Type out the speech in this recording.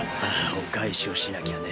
お返しをしなきゃね。